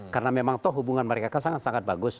karena memang tuh hubungan mereka sangat sangat bagus